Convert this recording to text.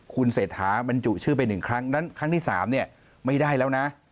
คุณเศรษฐาบรรจุชื่อไป๑ครั้งนั้นครั้งที่๓เนี่ยไม่ได้แล้วนะ